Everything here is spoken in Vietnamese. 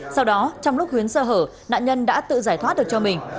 sau đó trong lúc huyến sơ hở nạn nhân đã tự giải thoát được cho mình